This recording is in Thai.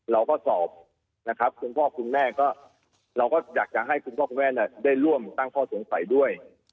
เราก็สอบนะครับคุณพ่อคุณแม่ก็เราก็อยากจะให้คุณพ่อคุณแม่ได้ร่วมตั้งข้อสงสัยด้วย